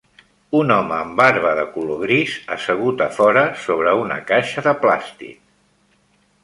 Un home amb barba de color gris assegut afora sobre una caixa de plàstic.